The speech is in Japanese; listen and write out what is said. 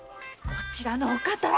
こちらのお方は。